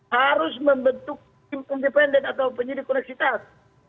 harus membentuk tim independen atau penyidik koneksitas